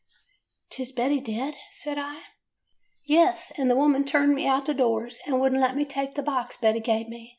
" Ts Betty dead?' says I. "'Yes; and the woman turned me out o' doors, and would n't let me take the box Betty gave me.